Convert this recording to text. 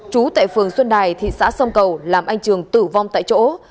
trú tại phường xuân đài thị xã sông cầu làm anh trường tử vong tại chỗ